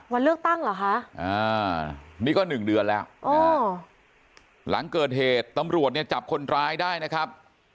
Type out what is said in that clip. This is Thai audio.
วันเลือกตั้งเหรอคะนี่ก็๑เดือนแล้วหลังเกิดเหตุตำรวจเนี่ยจับคนร้ายได้นะครับ